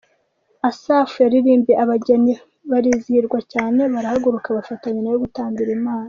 Asaph yaririmbiye abageni barizihirwa cyane barahaguruka bafatanya nayo gutambira Imana.